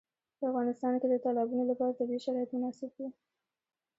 په افغانستان کې د تالابونه لپاره طبیعي شرایط مناسب دي.